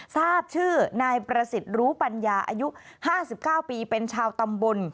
ทราบชื่อนายประสิทธิ์รู้ปัญญาอายุ๕๙ปีเป็นชาวตำบล